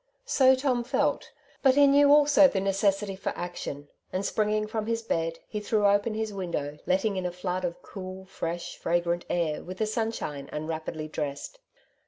So Tom felt \ but lie knew also the necessity for action ; and springing from his bed, he threw open his window, letting in a flood of cool, fresh, fragrant air with the sunshine, and rapidly dressed.